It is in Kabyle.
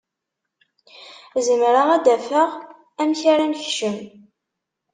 Zemreɣ ad d-afeɣ amek ara nekcem.